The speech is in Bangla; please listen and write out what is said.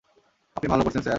আপনি ভালো করছেন, স্যার?